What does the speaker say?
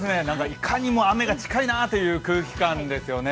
いかにも雨が近いなという空気感ですよね。